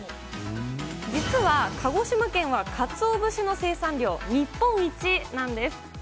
実は鹿児島県はかつお節の生産量日本一なんです。